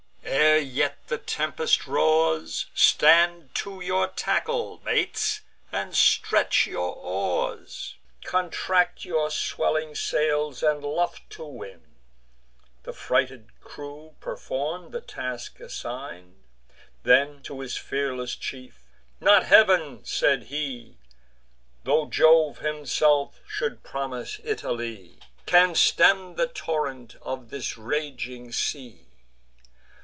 Ere yet the tempest roars, Stand to your tackle, mates, and stretch your oars; Contract your swelling sails, and luff to wind." The frighted crew perform the task assign'd. Then, to his fearless chief: "Not Heav'n," said he, "Tho' Jove himself should promise Italy, Can stem the torrent of this raging sea.